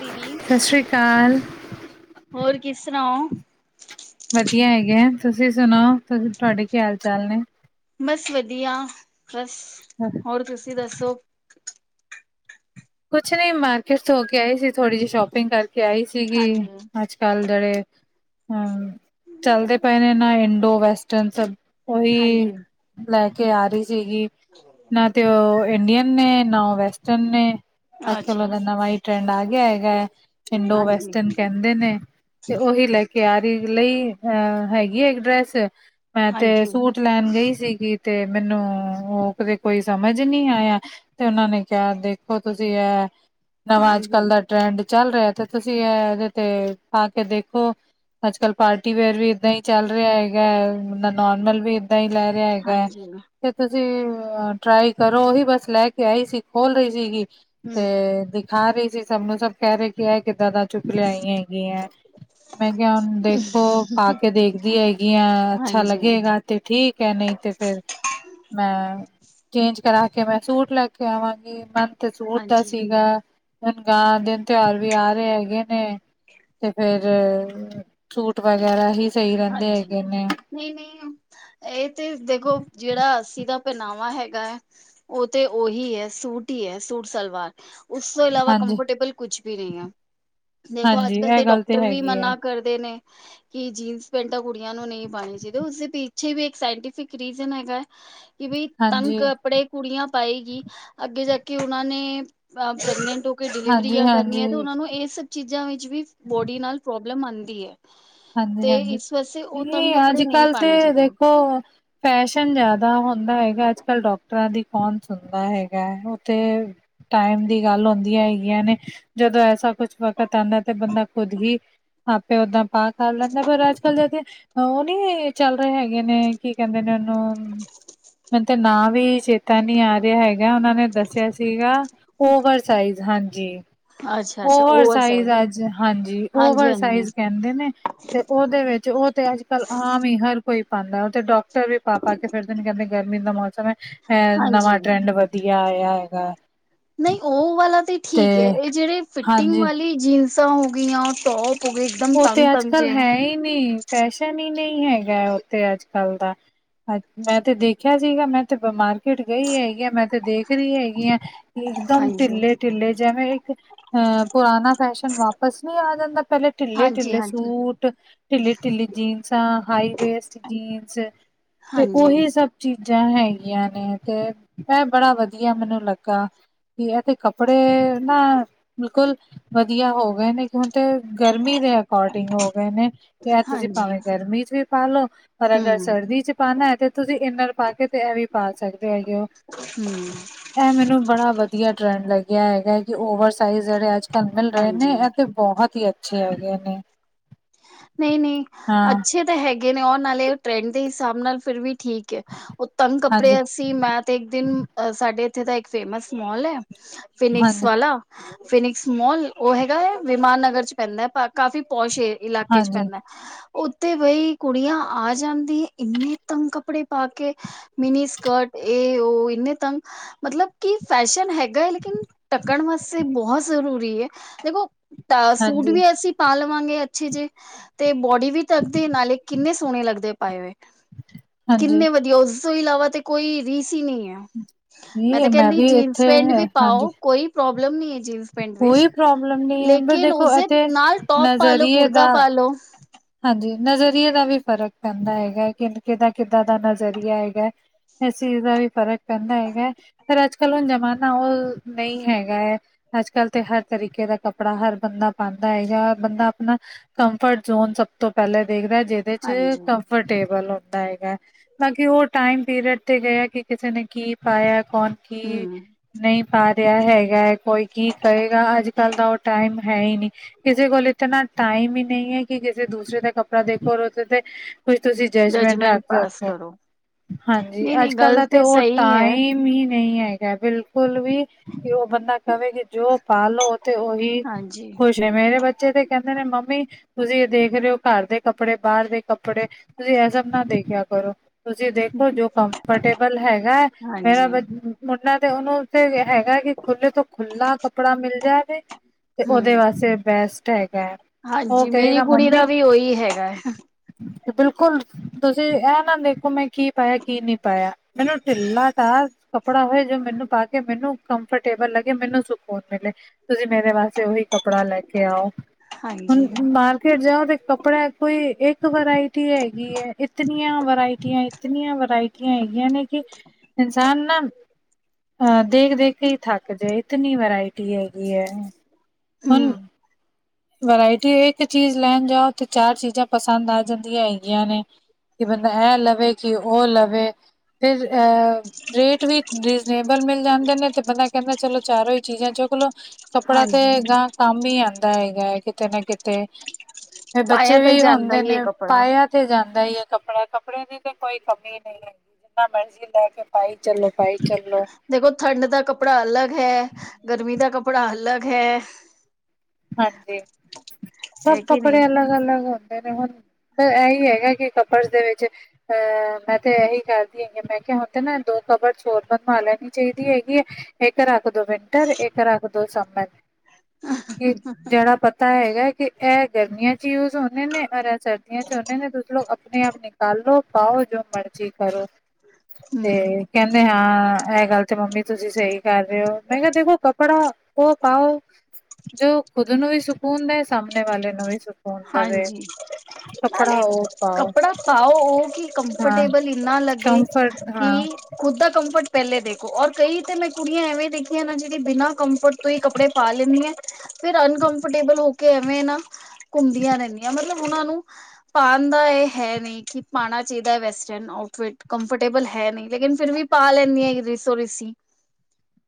ਦੀਦੀ, ਸਤਿ ਸ਼੍ਰੀ ਅਕਾਲ ਹੋਰ ਕਿਸ ਤਰ੍ਹਾਂ ਹੋ? ਵਧੀਆ ਹੈਗੇ ਆ। ਤੁਸੀਂ ਸੁਣਾੳ ਤੁਹਾਡੇ ਕੀ ਹਾਲ ਚਾਲ ਨੇ ਬਸ ਵਧੀਆ। ਬਸ [unintelligible] ਹੋਰ ਤੁਸੀਂ ਦੱਸੋ ਕੁਛ ਨਹੀਂ ਮਾਰਕੀਟ ਤੋਂ ਹੋ ਕੇ ਆਈ ਸੀ। ਥੋੜ੍ਹੀ ਜਿਹੀ ਸ਼ੋਪਿੰਗ ਕਰਕੇ ਆਈ ਸੀ ਸੀਗੀ ਹਾਂਜੀ ਅੱਜ ਕੱਲ੍ਹ ਜਿਹੜੇ, ਅਮ ਚਲਦੇ ਪਏ ਨੇ ਨਾ ਇੰਡੋ ਵੈਸਟ [inaudible] ਉਹੀ ਹਾਂਜੀ ਲੈ ਕੇ ਆ ਰਹੀ ਸੀਗੀ ਨਾ ਤੇ ਔ ਇੰਡੀਅਨ ਨੇ, ਨਾ ਔ ਵੈਸਟਰਨ ਨੇ ਅਜ-ਕਲ ਅੱਛਾ ਲੋਗਾਨ ਨਵਾ ਈ ਟ੍ਰੈਂਡ ਆ ਗਿਆ ਹੈਗਾ ਏ। ਇੰਡੋ ਹਾਂਜੀ ਵੈਸਟਨ ਕ ਦੇ ਨੇ, ਤੇ ਉਹੀ ਲੈ ਕੇ ਆ ਰਹੀ ਲਈ ਅਹ ਹੈਗੀ ਹੈ ਇੱਕ ਡਰੈਸ ਮੈਂ ਤੇ ਹਾਂਜੀ ਸੂਟ ਲੈਣ ਗਈ ਸੀਗ। ਤੇ ਮੈਨੂੰ ਉਹ, ਕਦੇ ਕੋਈ ਸਮਝ ਨਹੀਂ ਆਇਆ ਤੇ ਉਹਨਾਂ ਨੇ ਕਿਹਾ, ਦੇਖੋ ਤੁਸੀਂ ਇਹ, ਨਵਾਂ ਅੱਜ ਹਾਂਜੀ ਕੱਲ ਦਾ ਟਰੈਂਡ ਚੱਲ ਰਿਹਾ ਤੇ ਤੁਸੀਂ ਇਹ ਤੇ ਆ ਕੇ ਦੇਖੋ, ਅੱਜ ਕਲ ਪਾਰਟੀ ਵੇਅਰ ਵੀ ਇਏਦਾਂ ਹੀ ਚੱਲ ਰਿਹਾ ਹੈਗਾ ਹੈ ਬੰਦਾ ਨੋਰਮਲ ਵੀ ਏਦਾਂ ਹੀ ਲੈ ਰਿਹਾ ਹੈਗਾ ਹੈ ਹਾਂਜੀ ਤੇ ਤੁਸੀਂ ਟਰਾਈ ਕਰੋ ਉਹੀ ਬਸ ਲੈ ਕੇ ਆਈ ਸੀ ਖੋਲ ਰਹੀ ਸੀਗੀ ਹਮ ਤੇ ਦਿਖਾ ਰਹੀ ਸੀ ਸਭ ਨੂੰ ਸਭ ਕਹਿ ਰਹੇ ਕਿ ਇਹ ਕਿੱਦਾਂ ਦਾ ਚੁੱਕ ਲਿਆਈ ਹੈਗੀ ਹੈ ਮੈਂ ਕਿਹਾ ਦੇਖੋ ਪਾ ਕੇ ਦੇਖਦੀ ਹੈਗੀ ਆ। ਅੱਛਾ ਹਾਂਜੀ ਲੱਗੇਗਾ ਤੇ ਠੀਕ ਹੈ। ਨਹੀਂ ਤੇ ਫਿਰ ਮੈਂ, ਚੇਂਜ ਕਰਾ ਕੇ ਮੈਂ ਸੂਟ ਲੈ ਕੇ ਆਵਾਂਗੀ ਤੇ ਸੂਟ ਦਾ ਹਾਂਜੀ ਸੀਗਾ। ਹੁਨ ਵਾਰ, ਦਿਨ ਤਿਉਹਾਰ ਵੀ ਆ ਰਹੇ ਹੈਗੇ ਨੇ ਤੇ ਫੇਰ ਸੂਟ ਵਗੈਰਾ ਹੀ ਸਹੀ ਰਹਿੰਦੇ ਹਾਂਜੀ। ਹੈਗੇ ਨੇ ਨਹੀਂ-ਨਹੀਂ, ਇਹ ਤੇ ਦੇਖੋ ਜਿਹੜਾ ਅੱਸੀ ਦਾ ਪਹਿਨਾਵਾ ਹੈਗਾ ਹੈ ਉਹ ਤੇ ਉਹੀ ਹੈ। ਸੂਟ ਹੀ ਹੈ, ਸੂਟ ਸਲਵਾਰ ਉਸ ਤੋਂ ਇਲਾਵਾ ਹਾਂਜੀ ਕੰਫਰਟੇਬਲ ਕੁੱਛ ਵੀ ਨਹੀਂ ਹੈ ਦੇਖੋ ਅੱਜ ਹਾਂਜੀ ਕਲ ਇਹ ਤੇ ਗੱਲ ਡਾਕਟਰ ਵੀ ਹੈਗੀ ਹੈ ਮਨਾ ਕਰਦੇ ਨੇ। ਕਿ ਜੀਂਸ ਪੈਂਟਾਂ ਕੁੜੀਆਂ ਨੂੰ ਨਹੀਂ ਪਾਉਣੀ ਚਾਹੀਦੀ। ਉਸਦੇ ਪਿੱਛੇ ਵੀ ਇੱਕ ਸਾਇੰਟੀਫਿਕ ਰੀਜ਼ਨ ਹੈਗਾ ਹੈ ਕਿ ਬਈ ਤੰਗ ਹਾਂਜੀ ਕੱਪੜੇ ਕੁੜੀਆਂ ਪਾਏਗੀ। ਅੱਗੇ ਜਾਕੇ ਉਹਨਾਂ ਨੇ ਪ੍ਰੈਗਨੈਂਟ ਹੋ ਕੇ ਹਾਂਜੀ ਡਿਲੀਵਰੀਆਂ ਹਾਂਜੀ ਕਰਨੀਆਂ ਤੇ ਉਹਨਾਂ ਨੂੰ ਇਸ ਚੀਜ਼ਾਂ ਵਿੱਚ ਵੀ ਬੋਡੀ ਨਾਲ ਪ੍ਰੋਬਲਮ ਆਉਂਦੀ ਹੈ ਤੇ ਹਾਂਜੀ-ਹਾਂਜੀ ਇਸ ਵਾਸਤੇ ਉਹ ਤੰਗ ਨਹੀਂ ਅੱਜ ਕੱਪੜੇ ਨਹੀਂ ਕੱਲ ਪਾਉਣੇ ਤੇ ਚਾਹੀਦੇ ਦੇਖੋ ਫੈਸ਼ਨ ਜ਼ਿਆਦਾ ਹੁੰਦਾ ਹੈਗਾ। ਅੱਜ ਕੱਲ੍ਹ ਡਾਕਟਰਾਂ ਦੀ ਕੌਣ ਸੁਣਦਾ ਹੈਗਾ। ੳਥੇ ਟਾਈਮ ਦੀ ਗੱਲ ਹੁੰਦੀਆਂ ਹੈਗੀਆਂ ਨੇ। ਜਦੋਂ ਐਸਾ ਕੁਛ ਵਕਤ ਆਉਂਦਾ ਤੇ ਬੰਦਾ ਖੁਦ ਵੀ ਆਪੇ ਓਦਾਂ ਪਾ ਖਾ ਲੈਂਦਾ। ਪਰ ਅੱਜ ਕੱਲ ਜਦ ਉਹ ਨੀ ਚੱਲ ਰਹੇ ਹੈਗੇ ਨੇ ਕੀ ਕਹਿੰਦੇ ਨੇ ਉਹਨੂੰ। ਮੈਨੂੰ ਤੇ ਨਾ ਵੀ ਚੇ ਤਾਂ ਨਹੀ ਆ ਰਿਹਾ ਹੈਗਾ ਉਹਨਾ ਨੇ ਦੱਸਿਆ ਸੀਗਾ ਓਵਰਸਾਈਜ਼। ਹਾਂਜੀ ਓਵਰ ਸਾਈਜ਼ ਅੱਜ ਹਾਂਜੀ ਓਵਰ ਸਾਈਜ਼ ਕ ਨੇ ਤੇ ਉਹਦੇ ਵਿੱਚ ਉਹ ਤੇ ਅੱਜ ਕੱਲ ਆਮ ਹੀ ਹਰ ਕੋਈ ਪਾਉਂਦਾ ਉਹ ਤੇ ਡਾਕਟਰ ਵੀ ਪਾ -ਪਾ ਕੇ ਫਿਰਦੇ ਨੇ ਕਹਿੰਦੇ ਗਰਮੀ ਦਾ ਮੌਸਮ ਹੈ। ਅ ਨਵਾਂ ਹਾਂਜੀ ਟਰੈਂਡ ਵ ਵਧੀਆ ਆਇਆ ਹੈਗਾ ਨਹੀਂ ਉਹ ਵਾਲਾ ਤੇ ਠੀਕ ਹੈ। ਇਹ ਜਿਹੜੇ ਫਿਟਿੰਗ ਹਾਂਜੀ ਵਾਲੀ ਜੀਨਸਾਂ ਹੋ ਗਈਆਂ ਟੋਪ ਹੋ ਗਏ ਇੱਕਦਮ ਉਹ ਤੇ ਤੰਗ ਅੱਜ ਤੰਗ ਕੱਲ ਜੇ ਹੈ ਹੀ ਨਹੀਂ, ਫੈਸ਼ਨ ਹੀ ਨਹੀਂ ਹੈਗਾ ਔ ਤੇ ਅੱਜ ਕੱਲ ਦਾ ਹਾਂਜੀ ਮੈਂ ਤੇ ਦੇਖਿਆ ਸੀਗਾ ਮੈਂ ਤੇ ਮਾਰਕੀਟ ਗਈ ਹੈਗੀ ਮੈਂ ਤੇ ਦੇਖ ਰਹੀ ਹੈਗੀ ਹਾਂ। ਕਿ ਇੱਕਦਮ ਹਾਂਜੀ, ਢਿੱਲੇ-ਢਿੱਲੇ ਜਿਵੇਂ ਇੱਕ ਅਹ ਪੁਰਾਣਾ ਫੈਸ਼ਨ ਵਾਪਿਸ ਨਹੀਂ ਆ ਜਾਂਦਾ ਪਹਿਲੇ ਢਿੱਲੇ- ਹਾਂਜੀ, ਢਿੱਲੇ ਹਾਂਜੀ। ਸੂਟ ਢਿੱਲੀ -ਢਿੱਲੀ ਜੀਨਸਾ ਆ, ਹਾਈ ਵੇਸਟ ਜੀਨਸ ਤੇ ਹਾਂਜੀ, ਉਹੀ ਸਭ ਚੀਜ਼ਾਂ ਹੈਗੀਆਂ ਨੇ ਤੇ ਮੈ ਬੜਾ ਵਧੀਆ ਮੈਨੂੰ ਲੱਗ ਕਾ ਇਹ ਤੇ ਕੱਪੜੇ ਨਾ ਬਿਲਕੁਲ ਵਧੀਆ ਹੋ ਗਏ ਨੇ, ਕਿਉਂ ਗਰਮੀ ਦੇ ਅਕੋਰਡਿੰਗ ਹੋ ਗਏ ਨੇ ਤੁਸੀਂ ਹਾਂਜੀ, ਭਾਵੇਂ ਗਰਮੀ ਚ ਵੀ ਪਾ ਲਓ, ਪਰ ਅਗਰ ਹੂੰ, ਸਰਦੀ ਚ ਪਾਣਾ ਹੈ ਤੇ ਤੁਸੀਂ ਇੰਨਰ ਪਾ ਕੇ ਤੇ ਇਹ ਵੀ ਪਾ ਸਕਦੇ ਹੋ ਹਮ ਇਹ ਮੈਨੂੰ ਬੜਾ ਵਧੀਆ ਟਰੈਂਡ ਲੱਗਿਆ ਹੈਗਾ ਹੈ ਕਿ ਓਵਰਸਾਈਜ਼ ਜਿਹੜੇ ਅੱਜ -ਕੱਲ ਮਿਲ ਰਹੇ ਹਾਂਜੀ ਨੇ ਅਤੇ ਬਹੁਤ ਹੀ ਅੱਛੇ ਹੈਗੇ ਨੇ ਨਹੀਂ- ਨਹੀਂ ਹਾਂ ਅੱਛੇ ਤਾਂ ਹੈਗੇ ਨੇ ਉਹ ਨਾਲੇ ਟਰੈਂਡ ਦੇ ਹਿਸਾਬ ਨਾਲ ਫਿਰ ਵੀ ਠੀਕ ਉਹ ਤੰਗ ਹਾਂਜੀ, ਕੱਪੜੇ ਮੈਂ ਤੇ ਇੱਕ ਦਿਨ, ਸਾਡੇ ਇੱਥੇ ਦਾ ਇੱਕ ਫੇਮਸ ਮੋਲ ਹੈ ਫਿਨਿਕਸ ਹਾਂਜੀ, ਵਾਲਾ ਫਿਨਿਕਸ ਮੋਲ ਉਹ ਹੈਗਾ ਹੈ ਵਿਮਾਨ ਨਗਰ ਚ ਪੈਂਦਾ ਕਾਫ਼ੀ ਪੌਸ਼ ਇਲਾਕੇ ਚ ਹਾਂਜੀ, ਪੈਂਦਾ ਉੱਥੇ ਬਈ ਕੁੜੀਆਂ ਆ ਜਾਂਦੀ ਇੰਨੇ ਤੰਗ ਕੱਪੜੇ ਪਾ ਕੇ ਮਿਨੀ ਸਕਰਟ ਇਹ ਉਹ ਇੰਨੇ ਤੰਗ, ਮਤਲਬ ਕੀ ਫੈਸ਼ਨ ਹੈ ਗਾ ਲੇਕਿਨ ਡੱਕਣ ਵਾਸਤੇ ਬਹੁਤ ਜ਼ਰੂਰੀ ਹੈ ਦੇਖੋ ਸੂਟ ਹਾਂਜੀ, ਵੀ ਐਸੀ ਪਾ ਲਵਾਂਗੇ ਅੱਛੇ ਜੇ, ਤੇ ਬੋਡੀ ਵੀ ਤੱਕਦੇ ਨਾਲੇ ਕਿੰਨੇ ਸੋਹਣੇ ਲੱਗਦੇ ਪਾਏ ਹੋਏ ਹਾਂਜੀ। ਕਿੰਨੇ ਵਧੀਆ ਉਸ ਤੋਂ ਇਲਾਵਾ ਤੇ ਕੋਈ ਰੀਸ ਹੀ ਨਹੀਂ ਹੈ ਮੈਂ ਤੇ ਨਹੀਂ ਕਹਿੰਦੀ ਵੀ ਜੀਨਸ ਇੱਥੇ ਪੈਂਟ ਵੀ ਹੈ ਹਾਂਜੀ ਪਾਓ ਕੋਈ ਪ੍ਰੋਬਲਮ ਨੀ ਹੈ ਜੀਨਸ ਪਿੰਡ ਵਿੱਚ, ਕੋਈ ਪ੍ਰੋਬਲਮ ਨਹੀਂ ਹੈ ਪਰ ਲੇਕਿਨ ਦੇਖੋ ਉਸਦੇ ਇੱਥੇ ਨਾਲ ਟੋਪ ਪਾ ਲੋ, ਨਜ਼ਰੀਏ ਕੁੜਤਾ ਦਾ ਪਾ ਲੋੋ ਹਾਂਜੀ, ਨਜ਼ਰੀਏ ਦਾ ਵੀ ਫ਼ਰਕ ਪੈਂਦਾ ਹੈਗਾ ਕਿ ਕਿੱਦਾਂ- ਕਿੱਦਾਂ ਦਾ ਨਜ਼ਰੀਆ ਹੈਗਾ ਇਸ ਚੀਜ਼ ਦਾ ਵੀ ਫ਼ਰਕ ਪੈਂਦਾ ਹੈਗਾ, ਹੈ ਪਰ ਅੱਜ ਕੱਲ੍ਹ ਹੁਣ ਜ਼ਮਾਨਾ ਉਹ ਨਹੀਂ ਹੈਗਾ ਹੈ ਅੱਜ ਕੱਲ੍ਹ ਤੇ ਹਰ ਤਰੀਕੇ ਦਾ ਕੱਪੜਾ ਹਰ ਬੰਦਾ ਪਾਉਂਦਾ ਹੈ ਹੈਗਾ ਬੰਦਾ ਆਪਣਾ ਕੰਫਰਟ ਜ਼ੋਨ ਸਭ ਤੋਂ ਪਹਿਲਾਂ ਦੇਖਦਾ ਜਿਸਦੇ ਚ ਹਾਂਜੀ ਕੰਫਰਟਬਲ ਹੁੰਦਾ ਹੈਗਾ ਬਾਕੀ ਉਹ ਟਾਈਮ ਪੀਰੀਅਡ ਤੇ ਗਏ, ਕਿ ਕਿਸੇ ਨੇ ਕੀ ਪਾਇਆ ਕੌਣ ਕੀ ਹਮ ਨਹੀਂ ਪਾ ਰਿਹਾ ਹੈਗਾ ਹੈ ਕੋਈ ਕੀ ਕਰੇਗਾ ਅੱਜ ਕੱਲ ਤਾਂ ਉਹ ਟਾਈਮ ਹੈ ਹੀ ਨਹੀਂੀ ਕਿਸੇ ਕੋਲ ਇਤਨਾ ਟਾਈਮ ਹੀ ਨਹੀਂ ਹੈ ਕਿ ਕਿਸੇ ਦੂਸਰੇ ਦਾ ਕੱਪੜਾ ਦੇਖੋ ਤੇ ਕੁਝ ਤੁਸੀਂ ਜੱਜਮੈਂਟ ਜਜਮੈਂਟ ਰੱਖ ਪਾਸ ਸਕਦੇ ਹੋ ਕਰੋ ਹਾਂਜੀ ਨਹੀਂ ਨਹੀਂ ਅੱਜ ਕੱਲ ਗੱਲ ਦਾ ਤੇ ਉਹ ਸਹੀ ਹੈ ਟਾਈਮ ਹੀ ਨਹੀਂ ਹੈਗਾ ਬਿਲਕੁਲ ਵੀ ਕਿ ਉਹ ਬੰਦਾ ਕਵੇ ਕਿ ਜੋ ਪਾਾਲੋ ਤੇ ਉਹੀ ਹਾਂਜੀ ਖੁਸ਼ ਮੇਰੇ ਬੱਚੇ ਤੇ ਕਹਿੰਦੇ ਨੇ ਮੰਮੀ ਤੁਸੀਂ ਦੇਖ ਰਹੇ ਹੋ ਘਰ ਦੇ ਕੱਪੜੇ ਬਾਹਰ ਦੇ ਕੱਪੜੇ ਤੁਸੀਂ ਇਹ ਸਭ ਨਾ ਦੇਖਿਆ ਕਰੋ ਤੁਸੀਂ ਦੇਖੋ ਜੋ ਕੰਫਰਟੇਬਲ ਹੈਗਾ ਹੈ ਮੇਰਾ ਹਾਂਜੀ ਮੁੰਡੇ ਉਹਨੂੰ ਹੈਗਾ ਕਿ ਖੁੱਲ੍ਹੇ ਤੋਂ ਖੁੱਲ੍ਹਲਾ ਕੱਪੜਾ ਮਿਲ ਜਾਵੇ ਤੇ ਉਹਦੇ ਹਮ ਵਾਸਤੇ ਬੈਸਟ ਹੈਗਾ ਹੈ ਉਹ ਕਹੇਗਾ ਮੰਮੀ ਕੀ ਹੈਗਾ ਹੈ ਬਿਲਕੁਲ ਤੁਸੀਂ ਇਹ ਨਾ ਦੇਖੋ ਮੈਂ ਕੀ ਪਾਇਆ ਕੀ ਨਹੀਂ ਪਾਇਆ ਮੈਨੂੰ ਢਿੱਲਾ ਤਾਹ ਕੱਪੜਾ ਹੋਏ ਜੋ ਮੈਨੂੰ ਪਾ ਕੇ ਮੈਨੂੰ ਕੰਫਰਟੇਬਲ ਲੱਗੇ ਮੈਨੂੰ ਸਕੂਨ ਮਿਲੇ ਤੁਸੀਂ ਮੇਰੇ ਵਾਸਤੇ ਉਹੀ ਕੱਪੜਾ ਲੈ ਕੇ ਆਓ ਹੁਣ ਹਾਂਜੀ ਮਾਰਕੀਟ ਜਾਓ ਤੇ ਕੱਪੜਾ ਕੋਈ ਇੱਕ ਵਰਾਇਟੀ ਹੈਗੀ ਹੈ ਇਤਨੀਆਂ ਵਰਾਇਟੀਆਂ ਇਤਨੀਆਂ ਵਰਾਇਟੀਆ ਹੈਗੀਆਂ ਨੇ ਕਿ ਇਨਸਾਨ ਨਾ ਅਹ ਦੇਖ ਦੇਖ ਕੇ ਹੀ ਥੱਕ ਇਤਨੀ ਵਰਾਇਟੀ ਹੈਗੀ ਹੈ ਹੁਣ ਹਮ ਵਰਾਇਟੀ ਇੱਕ ਚੀਜ਼ ਲੈਣ ਜਾਓ ਤੇ ਚਾਰ ਚੀਜ਼ਾਂ ਪਸੰਦ ਆ ਜਾਂਦੀਆਂ ਹੈਗੀਆਂ ਨੇ ਕਿ ਬੰਦਾ ਐ ਲਵੇ ਕਿ ਉਹ ਲਵੇ ਫਿਰ ਅ ਰੇਟ ਵੀ ਰੀਜ਼ਨੇਬਲ ਮਿਲ ਜਾਂਦੇ ਨੇ ਤੇ ਬੰਦਾ ਕਹਿੰਦਾ ਚਲੋ ਚਾਰੋਂ ਹੀ ਚੀਜ਼ਾਂ ਚੁੱਕ ਲੋ ਕੱਪੜਾ ਤੇ ਹਾਂਜੀ ਗਾ ਕੰਮ ਹੀ ਆਉਂਦਾ ਹੈ ਕਿਤੇ ਨਾ ਕਿਤੇ ਪਾਇਆ ਬੱਚੇ ਤੇ ਵੀ ਜਾਂਦਾ ਹੁੰਦੇ ਹੀ ਹੈ ਨੇ ਕੱਪੜਾ ਪਾਇਆ ਥੇ ਜਾਂਦਾ ਈ ਏ ਕੱਪੜਾ ਕੱਪੜੇ ਦੀ ਤਾਂ ਕੋਈ ਕਮੀ ਨਈ ਏ। ਜਿਨਾ ਮਰਜ਼ੀ ਲੈ ਕੇ ਪਾਈ ਚੱਲੋ ਪਾਈ ਚੱਲੋ ਦੇਖੋ ਠੰਡ ਦਾ ਕੱਪੜਾ ਅਲੱਗ ਹੈ ਗਰਮੀ ਦਾ ਕੱਪੜਾ ਅਲੱਗ ਹੈ। ਹਾਂਜੀ ਸਭ ਹੈ ਕਿ ਨਹੀਂ ਕੱਪੜੇ ਅਲੱਗ ਅਲੱਗ ਹੁੰਦੇ ਨੇ ਹੁਣ ਅ ਇਹੀ ਹੈਗਾ ਕਿ ਕੱਪਡਸ ਦੇ ਵਿੱਚ ਅ ਮੈਂ ਤੇ ਇਹੀ ਕਰਦੀ ਹੈਗੀ ਮੈਂ ਕਿਹਾ ਹੁਣ ਤੇ ਨਾ ਦੋ ਕਬਡਸ ਹੋਰ ਬਣਵਾ ਲੈਣੀ ਚਾਹੀਦੀ ਹੈਗੀ ਏ। ਇੱਕ ਰਖ ਦੋ ਵਿੰਟਰ ਇੱਕ ਰਖ ਦੋ ਸਮਮਰ ਜਿਹੜਾ ਪ ਪਤਾ ਹੈਗਾ ਕਿ ਇਹ ਗਰਮੀਆਂ ਚ ਯੂਜ ਹੁੰਦੇ ਨੇ ਔਰ ਇਹ ਸਰਦੀਆਂ ਚ ਹੁੰਦੇ ਨੇ ਤੁਸੀਂ ਲੋਕ ਆਪਣੇ ਆਪਣੇ ਕਲ ਨੂੰ ਪਾਓ ਜੋ ਮਰਜ਼ੀ ਕਰੋ ਤੇ ਹਮ ਕਹਿੰਦੇ ਹਾਂ ਇਹ ਗੱਲ ਤੇ ਮੰਮੀ ਤੁਸੀਂ ਸਹੀ ਕਰ ਰਹੇ ਹੋ ਮੈਂ ਕਿਹਾ ਦੇਖੋ ਕੱਪੜਾ ਉਹ ਪਾਓ ਜੋ ਖੁਦ ਨੂੰ ਵੀ ਸਕੂਨ ਦਏ ਸਾਹਮਣੇ ਵਾਲੇ ਨੂੰ ਵੀ ਸੁੂ ਕੁਨ ਦਵੇ ਹਾਂਜੀ ਕੱਪੜਾ ਨਾਲੇ ਉਹ ਪਾਓ ਕੱਪੜਾ ਪਾਓ ਉਹ ਕਿ ਹਾਂ ਕੰਫਰਟੇਬਲ ਇੰਨਾ ਲੱਗੇ ਕੰਫਰਟ ਹਾਂ ਕਿ ਖੁਦ ਦਾ ਕੰਫਰਟ ਪਹਿਲੇ ਦੇਖੋ ਔਰ ਕਈ ਤੇ ਮੈਂ ਕੁੜੀਆਂ ਐਵੇਂ ਦੇਖੀਆਂ ਨਾ ਜਿਹੜੀ ਬਿਨਾਂ ਕੰਫਰਟ ਤੂਹੀ ਕੱਪੜੇ ਪਾ ਲੈਂਦੀ ਆ ਫਿਰ ਅਨਕੰਫਰਟੇਬਲ ਹੋ ਕੇ ਐਵੇਂ ਨਾ ਘੁੰਮਦੀਆਂ ਰਹਿੰਦੀਆਂ ਮਤਲਬ ਉਹਨਾਂ ਨੂੰ ਪਾਉਣ ਦਾ ਇਹ ਹੈ ਨਹੀਂ ਕਿ ਪਾਉਣਾ ਚਾਹੀਦਾ ਵੈਸਟਰਨ ਆਊਟਫਿਟ ਕੰਫਰਟੇਬਲ ਹੈ ਨਹੀਂ ਲੇਕਿਨ ਫਿਰ ਵੀ ਪਾ ਲੈਂਦੀਆਂ ਰਿਸੋ ਰਿਸੀ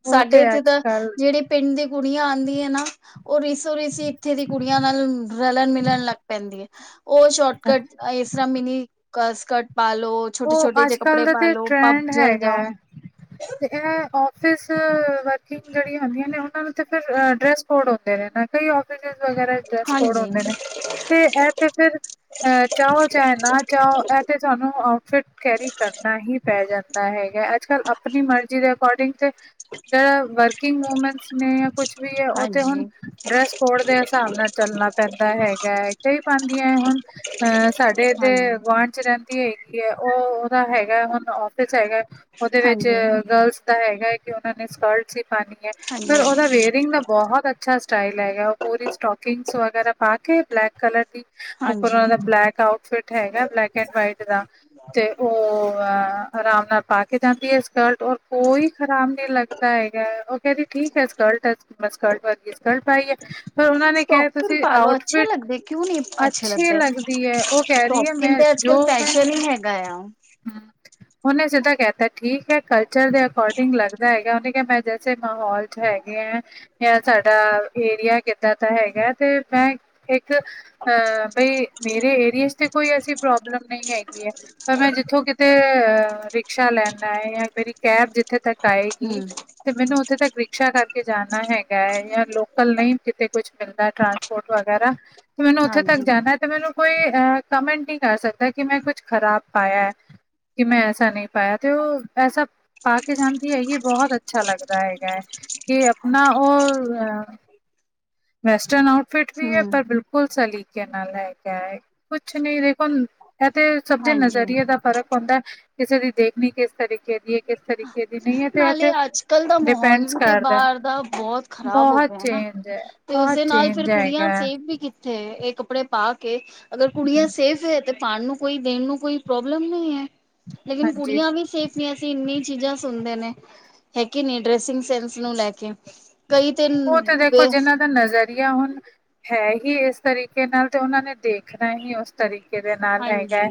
ਉਹ ਸਾਡੇ ਤੇ ਇੱਥੇ ਅੱਜ ਤਾਂ ਕੱਲ ਜਿਹੜੇ ਪਿੰਡ ਦੀ ਕੁੜੀਆਂ ਆਉਂਦੀ ਆ ਨਾ ਉਹ ਰਿਸੋ ਰਿਸੀ ਇੱਥੇ ਦੀ ਕੁੜੀਆਂ ਨਾਲ ਰਲਣ ਮਿਲਣ ਲੱਗ ਪੈਂਦੀ ਏ ਉਹ ਸ਼ੋਟਕੱਟ ਇਸ ਤਰ੍ਹਾਂ ਮਿਨੀ ਕ ਸਕਟ ਪਾ ਲੋ ਛੋਟੇ ਉਹ ਛੋਟੇ ਅੱਜ ਜਿਹੇ ਕੱਪੜੇ ਕੱਲ੍ਹ ਦਾ ਪਾ ਤੇ ਲੋ ਪੱਬ ਟਰੈਂਡ ਜਲ ਹੈਗਾ ਜਾਓ ਹੈ ਤੇ ਇਹ ਉ ਸਿਸ ਵਰਕਿੰਗ ਜਿਹੜੀਆਂ ਹੁੰਦੀਆਂ ਨੇ ਉਹਨਾਂ ਨੂੰ ਤੇ ਫਿਰ ਅ ਡਰੈਸ ਕੋਡ ਹੁੰਦੇ ਨੇ ਨਾ ਕਈ ਆਫਿਸਸ ਵਗੈਰਾ ਡਰੇਸ ਕੋਡ ਹਾਂਜੀ ਹੁੰਦੇ ਨੇ ਤੇ ਇਹ ਤੇ ਫਿਰ ਅਹ ਚਾਹੋ ਚਾਹੇ ਨਾ ਚਾਹੋ ਇਹ ਤੇ ਸਾਨੂੰ ਫਿਟ ਕੈਰੀ ਕਰਨਾ ਹੀ ਪੈ ਜਾਂਦਾ ਹੈ। ਅੱਜ ਕੱਲ ਆਪਣੀ ਮਰਜੀ ਦੇ ਅਕੋਡਿੰਗ ਤੇ ਜਿਹੜਾ ਵਰਕਿੰਗ ਵੂਮਨਸ ਨੇ ਜਾਂ ਕੁਛ ਵੀ ਹੈ ਉਹ ਤੇ ਹੁਣ ਹਾਂਜੀ ਡਰੈਸ ਕੋਡ ਦੇ ਹਿਸਾਬ ਨਾਲ ਚੱਲਣਾ ਪੈਂਦਾ ਹੈਗਾ ਏ ਕਈ ਪਾਉਂਦੀਆਂ ਏ ਹੁਣ। ਅਹ ਸਾਡੇ ਦੇ ਹਾਂਜੀ ਗੁਆਂਢ ਰਹਿੰਦੀ ਹੈਗੀ ਹੈ ਉਹ ਉਹਦਾ ਹੈਗਾ ਹੁਣ ਆਫਿਸ ਹੈਗਾ ਉਹਦੇ ਵਿੱਚ ਹਾਂਜੀ ਗਰਲਸ ਹੈਗਾ ਹੈ ਕਿ ਉਹਨਾਂ ਨੇ ਸਕਰਟਸ ਵੀ ਪਾਉਣੀ ਏ। ਹਾਂਜੀ ਫਿਰ ਉਹਦਾ ਹਾਂਜੀ ਵੇਅਰਿੰਗ ਦਾ ਬਹੁਤ ਅੱਛਾ ਸਟਾਈਲ ਹੈਗਾ। ਉਹ ਪੂਰੀ ਸਟੋਕਿੰਗਸ ਵਗੈਰਾ ਪਾ ਕੇ ਬਲੈਕ ਕਲਰ ਦੀ ਉੱਪਰ ਉਹ ਹਾਂਜੀ ਦਾ ਬਲੈਕ ਆਊਟਫਿਟ ਹੈਗਾ ਬਲੈਕ ਐਂਡ ਵਾਈਟ ਦਾ ਤੇ ਉਹ ਉਹ ਆਰਾਮ ਨਾਲ ਪਾ ਕੇ ਜਾਂਦੀ ਹੈ ਸਕਰਟ ਔਰ ਕੋਈ ਖਰਾਬ ਨਹੀਂ ਲੱਗਦਾ ਹੈਗਾ ਐ। ਉਹ ਕਹਿੰਦੀ ਠੀਕ ਹੈ ਸਕਲਟ ਐ ਬਸ ਸਕਲਟ ਵਰਗੀ ਸਕਲਟ ਪਾਈ ਏ। ਸਟੋਕਿੰਗ ਪਾਲੋ ਅੱਛੇ ਲੱਗਦੇ। ਕਿਉਂ ਨਹੀ ਅੱਛੇ ਅੱਛੀ ਲੱਗਦੇ? ਲੱਗਦੀ ਹੈ ਉਹ ਕਹਿ ਰਹੀ ਹੈ ਸਟੋਕਿਨ ਮੈਂ ਤੇ ਅੱਜ ਜੋ ਕਲ ਫੈਸ਼ਨ ਮੈਂ ਹੀ ਹੈਗਾ ਆ। ਉਹਨੇ ਸਿੱਧਾ ਕਹਿ ਤਾ ਏ ਠੀਕ ਹੈ ਕਲਚਰ ਦੇ ਅਕੋਰਡਿੰਗ ਲੱਗਦਾ ਏ। ਉਹਨੇ ਕਿਹਾ ਮੈਂ ਜੈਸੇ ਮਾਹੌਲ ਚ ਹੈਗੇ ਏ। ਜਾਂ ਸਾਡਾ ਏਰੀਆ ਕਿੱਦਾਂ ਦਾ ਹੈਗਾ ਐ ਤੇ ਮੈਂ ਇੱਕ ਅ ਬਈ ਮੇਰੇ ਏਰੀਏ ਚ ਤੇ ਕੋਈ ਐਸੀ ਪ੍ਰੋਬਲਮ ਨਹੀਂ ਹੈਗੀ ਏ ਪਰ ਮੈਂ ਕਿੱਥੋਂ ਕਿਤੇ ਅਹ ਰਿਕਸ਼ਾ ਲੈਣਾ ਏ ਜਾਂ ਤੇਰੀ ਕੈਬ ਜਿੱਥੇ ਤੱਕ ਆਏਗੀ। ਹਮ ਤੇ ਮੈਨੂੰ ਉੱਥੇ ਤੱਕ ਰਿਕਸ਼ਾ ਕਰਕੇ ਜਾਣਾ ਹੈਗਾ ਏ ਜਾਂ ਲੋਕਲ ਨਹੀਂ ਕਿਤੇ ਕੁਛ ਮਿਲ ਟਰਾਂਸਪੋਰਟ ਵਗੈਰਾ ਤੇ ਮੈਨੂੰ ਉੱਥੇ ਤੱਕ ਹਾਂਜੀ ਜਾਣਾ ਤੇ ਮੈਨੂੰ ਕੋਈ ਕਮੈਂਟ ਨਹੀਂ ਕਰ ਸਕਦਾ ਕਿ ਮੈਂ ਕੁਛ ਖ਼ਰਾਬ ਪਾਇਆ ਐ। ਕਿ ਮੈਂ ਐਸਾ ਨਹੀਂ ਪਾਇਆ ਤੇ ਉਹ ਐਸਾ ਪਾ ਕੇ ਜਾਂਦੀ ਹੈਗੀ ਬਹੁਤ ਅੱਛਾ ਲੱਗਦਾ ਹੈਗਾ ਐ। ਕਿ ਆਪਣਾ ਉਹ ਵੈਸਟਰਨ ਆਊਟਫਿਟ ਵੀ ਏ ਹਮ ਪਰ ਬਿਲ ਕੁਲ ਸਲੀਕੇ ਨਾਲ ਲੈ ਕੇ ਆਏ ਕੁਛ ਨਹੀਂ ਦੇਖੋ ਇਹ ਤੇ ਸਭ ਦੇ ਹਾਂਜੀ ਨਜ਼ਰੀਏ ਦਾ ਫਰਕ ਹੁੰਦਾ ਕਿਸੇ ਦੀ ਦੇਖਣੀ ਕਿਸ ਤਰੀ ਨਾਲੇ ਅੱਜ ਕੱਲ ਦਾ ਮਾਹੌਲ ਡਿਪੈਂਡਸ ਵੀ ਤੇ ਕਰਦਾ ਹੈ। ਬਾਹਰ ਦਾ ਬਹੁਤ ਖ਼ਰਾਬ ਹੋ ਬਹੁਤ ਗਿਆ ਹਨਾ ਚੇਂਜ ਹੈ ਤੇ ਬਹੁਤ ਉਸਦੇ ਨਾਲ ਫਿਰ ਚੇਂਜ ਕੁੜੀਆਂ ਹੈਗਾ ਹੈ। ਸੇਵ ਵੀ ਕੀਤੀ ਤੇ ਇਹ ਕੱਪੜੇ ਪਾ ਕੇ ਅਗਰ ਕੁੜੀਆਂ ਹੂੰ, ਸੇਫ ਹੈ ਤੇ ਪਾਉਣ ਨੂੰ ਕੋਈ ਦੇਣ ਨੂੰ ਕੋਈ ਪ੍ਰੋਬਲਮ ਨਹੀਂ ਹੈ। ਲੇਕਿਨ ਹਾਂਜੀ ਕੁੜੀਆਂ ਵੀ ਸੇਫ ਨਹੀਂ ਐ। ਇੰਨੀ ਚੀਜ਼ਾਂ ਸੁਣਦੇ ਨੇ ਹੈ ਕਿ ਨਹੀਂ ਡਰੈਸਿੰਗ ਸੈਂਸ ਨੂੰ ਲੈ ਕੇ ਉਹ ਤੇ ਦੇਖੋ ਬੇ ਜਿਹਨਾਂ ਦਾ ਨਜ਼ਰੀਆ ਹੁਣ ਹੈ ਹੀ ਇਸ ਤਰੀਕੇ ਨਾਲ ਤੇ ਉਹਨਾਂ ਨੇ ਦੇਖਣਾ ਹੀ ਉਸ ਤਰੀ ਕੇ ਦੇ ਨਾਲ ਹੈਗਾ ਹਾਂਜੀ ਹੈ।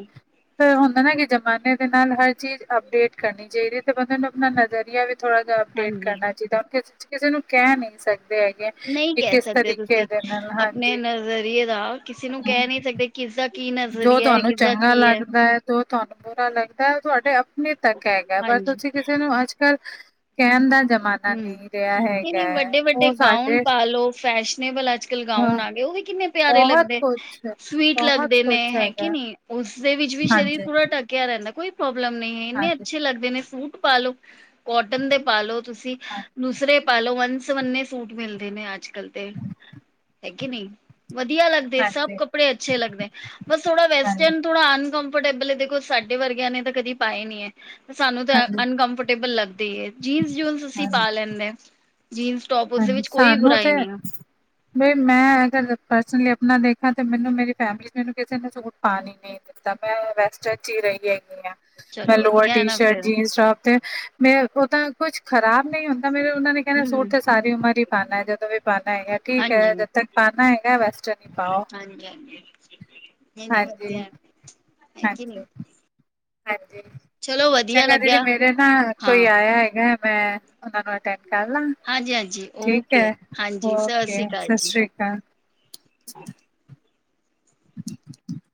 ਫਿਰ ਹੁੰਦਾ ਨਾ ਕਿ ਜਮਾਨੇ ਦੇ ਨਾਲ ਹਰ ਚੀਜ਼ ਅਪਡੇਟ ਕਰਨੀ ਚਾਹੀਦੀ ਹੈ ਤੇ ਬੰਦੇ ਨੂੰ ਆਪਣਾ ਨਜ਼ਰੀਆ ਵੀ ਥੋੜ੍ਹਾ ਜਿਹਾ ਅਪਡੇਟ ਹਾਂਜੀ ਕਰਨਾ ਚਾਹੀਦਾ ਉਥੇ ਕਿਸ ਕਿਸੇ ਨੂੰ ਕਹਿ ਨਹੀਂ ਸਕਦੇ ਹੈਗੇ। ਨਹੀਂ ਕਿ ਕਹਿ ਕਿਸ ਸਕਦੇ ਤਰੀਕੇ ਤੁਸੀਂ ਦੇ ਨਾਲ ਆਪਣੇ ਹਾਂਜੀ ਨਜ਼ਰੀਏ ਦਾ ਕਿਸੇ ਨੂੰ ਹਮ ਕਹਿ ਨਹੀਂ ਸਕਦੇ। ਕਿਸਦਾ ਕੀ ਜੋ ਨਜ਼ਰੀਆ ਹੈ ਤੁਹਾਨੂੰ ਕਿਸਦਾ ਚੰਗਾ ਕੀ ਹੈ। ਲੱਗਦਾ ਜੋ ਤੁਹਾਨੂੰ ਬੁਰਾ ਲੱਗਦਾ ਹੈ ਉਹ ਤੁਹਾਡੇ ਆਪਣੇ ਤੱਕ ਹੈਗਾ ਐ ਪਰ ਹਾਂਜੀ ਤੁਸੀਂ ਕਿਸ ਕਿਸੇ ਨੂੰ ਅੱਜ ਕੱਲ੍ਹ ਕਹਿਣ ਦਾ ਜਮਾਨ ਹੂੰ ਇਹ ਨਹੀਂ ਵੱਡੇ-ਵੱਡੇ ਗਾਊਨ ਸਾਡੇ ਪਾ ਲੋ ਫੈਸ਼ਨਨੇਬਲ ਐ। ਅੱਜ ਕਲ ਹਾਂ ਗਾਉਣ ਆ ਗਏ ਉਹ ਵੀ ਕਿੰਨੇ ਪਿਆਰੇ ਬਹੁਤ ਲੱਗਦੇ। ਕੁਛ ਸਵੀਟ ਬਹੁਤ ਲੱਗਦੇ ਨੇ ਕੁਛ ਹੈ ਕਿ ਹੈਗਾ ਨਹੀਂ ਉਸਦੇ ਵਿੱਚ ਵੀ ਸਰੀਰ ਹਾਂਜੀ ਪੂਰਾ ਢੱਕ ਆ ਰਹਿੰਦਾ ਕੋਈ ਪ੍ਰੋਬਲਮ ਨਹੀਂ। ਇੰਨੇ ਹਾਂਜੀ ਅੱਛੇ ਲੱਗਦੇ ਨੇ ਸੂਟ ਪਾ ਲਉ ਕੋਟਨ ਦੇ ਪਾ ਲਉ ਤੁਸੀਂ ਹਾਂ ਦੂਸਰੇ ਪਾ ਲਉ ਵਨ ਸਵੰਨੇ ਸੂਟ ਮਿਲਦੇ ਨੇ ਅੱਜ ਕੱਲ ਤੇ। ਕਿ ਨਹੀਂ। ਵਧੀਆ ਲੱਗਦੇ ਸਭ ਹਾਂਜੀ ਕੱਪੜੇ ਅੱਛੇ ਲੱਗਦੇ ਬਸ ਥੋੜਾ ਹਾਂਜੀ ਵੈਸਟਰਨ ਥੋੜਾ ਅਨਕੰਫਰਟੇਬਲ ਹੈ। ਦੇਖੋ ਸਾਡੇ ਵਰਗਿਆਂ ਨੇ ਤਾਂ ਕਦੀ ਪਾਏ ਨਹੀਂ ਐ। ਸਾਨੂੰ ਤਾਂ ਹਾਂਜੀ ਅਨਕਫਰਟੇਬਲ ਲੱਗਦੀ ਹੀ ਹੈ। ਜੀਨਸ ਜੂਨਸ ਅਸੀਂ ਹਾਂਜੀ ਪਾ ਲੈਂਦੇ ਐ ਜੀਨਸ ਟੋਪ ਉਸਦੇ ਹਾਂਜੀ ਵਿੱਚ ਕੋਈ ਸਾਨੂੰ ਬੁਰਾਈ ਤੇ ਨਹੀਂ ਆ ਨਹੀਂ ਮੈਂ ਅਗਰ ਪਰਸਨਲੀ ਆਪਣਾ ਦੇਖਾਂ ਤੇ ਮੈਨੂੰ ਮੇਰੀ ਫੈਮਿਲੀ ਚ ਮੈਨੂੰ ਕਿਸੇ ਨੇ ਸੂਟ ਪਾਉਣ ਹੀ ਨਹੀਂ ਦਿੱਤਾ ਮੈਂ ਵੈਸਟਰਨ ਚ ਹੀ ਰਹੀ ਹੈਗੀ ਹਾਂ। ਮੈਂ ਚਲੋ ਲੋਅਰ ਵਧੀਆ ਹੈ ਟੀ ਨਾ ਸ਼ਰਟ ਫੇਰ ਜੀਨਸ ਟੋਪ ਤੇ ਮੈਂ ਉਹ ਤਾਂ ਕੁਛ ਖ਼ਰਾਬ ਨਹੀਂ ਹੁੰਦਾ। ਤਾਂ ਮੇਰੇ ਉਹਨਾ ਨੇ ਕਹਿਣਾ ਸੂਟ ਹਮ ਥੇ ਸਾਰੀ ਉਮਰ ਹੀ ਪਾਉਣਾ ਹੈ ਜਦੋਂ ਵੀ ਪਾਉਣਾ ਹੈਗਾ ਠੀਕ ਹੈ ਹਾਂਜੀ ਜਦ ਤੱਕ ਪਾਉਣਾ ਹੈਗਾ ਵੈਸਟਰਨ ਹੀ ਪਾਓ ਹਾਂਜੀ-ਹਾਂਜੀ ਹੈ ਕਿ ਨਹੀਂ ਹਾਂਜੀ-ਹਾਂਜੀ। ਹਾਂਜੀ, ਚਲੋ ਵਧੀਆ ਚੰਗਾ ਦੀਦੀ ਲੱਗਿਆ ਮੇਰੇ ਨਾ, ਹਾਂ ਕੋਈ ਆਇਆ ਹੈਗਾ ਮੈਂ ਉਹਨਾਂ ਨੂੰ ਅਟੈਂਡ ਕਰ ਲਾਂ ਹਾਂਜੀ ਹਾਂਜੀ ਠੀਕ ਹੈ, ਓਕੇ ਹਾਂਜੀ ਸਤਿ ਓਕੇ ਸ੍ਰੀ ਅਕਾਲ ਸਤਿ ਜੀ ਸ੍ਰੀ ਅਕਾਲ [inaudible] [inaudible]